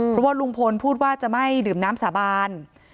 เพราะว่าลุงพลพูดว่าจะไม่ดื่มน้ำสาบาน